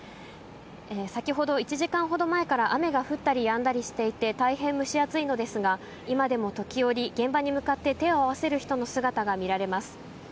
先ほど、１時間ほど前から雨が降ったりやんだりしていて、大変蒸し暑いのですが、今でも時折、現場に向かって手を合わせる人の姿が見られます。